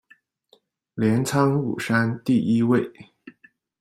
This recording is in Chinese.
镰仓五山第一位。